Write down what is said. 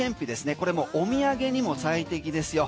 これもお土産にも最適ですよ。